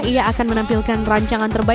ia akan menampilkan rancangan terbaik